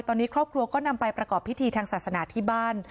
ตอนนี้ครอบครัวก็นำไปประกอบพิธีทางศาสนาที่บ้าน